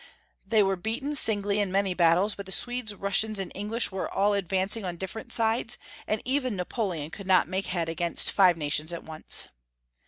They were beaten singly in many battles, but the Swedes, Russians, and English were all advancing on different sides, and even Napoleon could not make head against five nations at once.